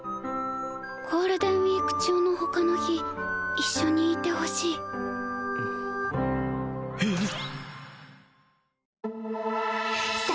ゴールデンウイーク中の他の日一緒にいてほしいえっ！？